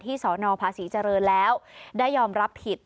สนภาษีเจริญแล้วได้ยอมรับผิด